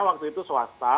waktu itu swasta